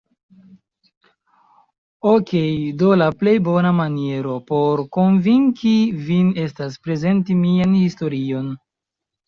Okej do la plej bona maniero, por konvinki vin estas prezenti mian historion